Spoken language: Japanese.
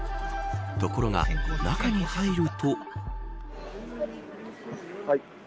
ところが中に入ると。